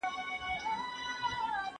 حکومتونه د بشري کرامت ساتلو لپاره څه پلي کوي؟